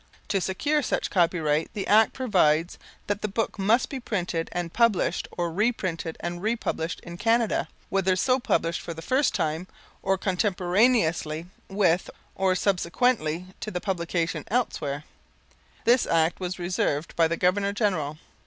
To secure such copyright the Act provides that the book must be printed and published, or reprinted and republished in Canada, whether so published for the first time or contemporaneously with or subsequently to the publication elsewhere. This Act was reserved by the Governor General.